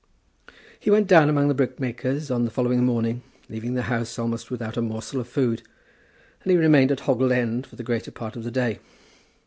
He went down among the brickmakers on the following morning, leaving the house almost without a morsel of food, and he remained at Hoggle End for the greater part of the day.